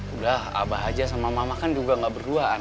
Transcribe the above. udah abah aja sama mama kan juga gak berduaan